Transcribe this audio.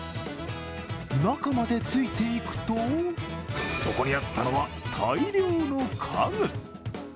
中までついていくと、そこにあったのは大量の家具。